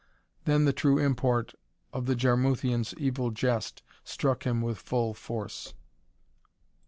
Then the true import of the Jarmuthians evil jest struck him with full force.